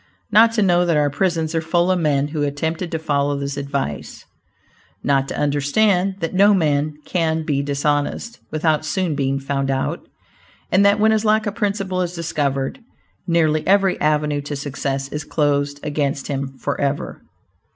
Not to know that our prisons are full of men who attempted to follow this advice; not to understand that no man can be dishonest, without soon being found out, and that when his lack of principle is discovered, nearly every avenue to success is closed against him forever.